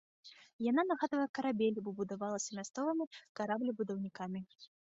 Яна нагадвае карабель, бо будавалася мясцовымі караблебудаўнікі.